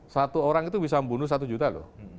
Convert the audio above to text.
satu orang itu bisa membunuh satu juta loh